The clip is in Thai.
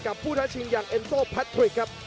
ผู้ท้าชิงอย่างเอ็นโซแพทริกครับ